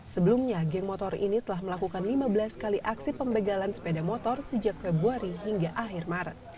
sebelumnya geng motor ini telah melakukan lima belas kali aksi pembegalan sepeda motor sejak februari hingga akhir maret